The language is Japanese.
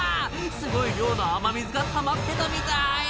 すごい量の雨水がたまってたみたい！